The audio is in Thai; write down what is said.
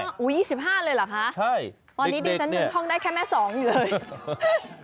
๒๕เลยเหรอครับตอนนี้เด็กท่องได้แค่แม่๒อยู่เลย